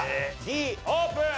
Ｄオープン！